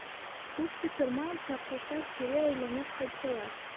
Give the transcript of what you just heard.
Күп тә тормайынса аҡҡоштар кире әйләнеп ҡайттылар.